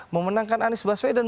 memenangkan anies baswedan